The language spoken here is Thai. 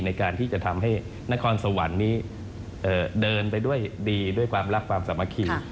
ในการที่จะทำให้นครสวรรค์นี้เดินไปด้วยดีด้วยความรักความสามัคคี